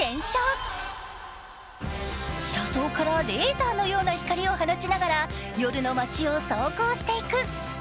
車窓からレーザーのような光を放ちながら夜の街を走行していく。